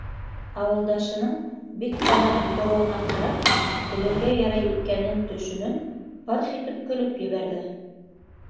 Ауылдашының бик ҡәнәғәт тороуына ҡарап, көлөргә ярай икәнен төшөнөн, пырх итеп көлөп ебәрҙе.